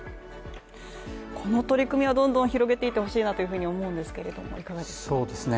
この取り組みはどんどん広げていってほしいと思うんですけど、いかがですか？